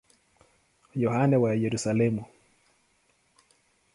Yohane wa Yerusalemu.